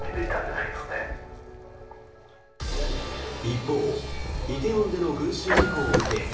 一方梨泰院での群衆事故を受け